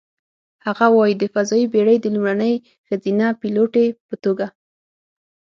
هغه وايي: "د فضايي بېړۍ د لومړنۍ ښځینه پیلوټې په توګه،